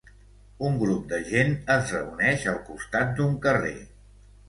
Una grup de gent es reuneix al costat d'un carrer.